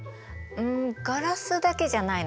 んガラスだけじゃないの。